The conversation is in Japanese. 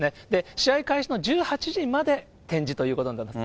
試合開始の１８時まで展示ということになっています。